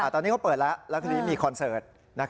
ตอนนี้เขาเปิดแล้วแล้วทีนี้มีคอนเสิร์ต